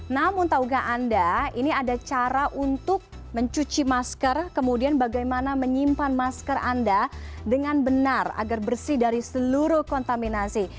namun tahukah anda ini ada cara untuk mencuci masker kemudian bagaimana menyimpan masker anda dengan benar agar bersih dari seluruh kontaminasi